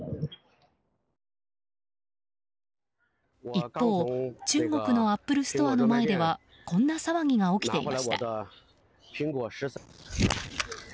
一方、中国のアップルストアの前ではこんな騒ぎが起きていました。